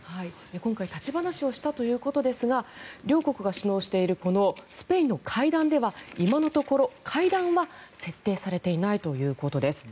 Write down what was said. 今回立ち話をしたということですがこのスペインでは今のところ、会談は設定されていないということです。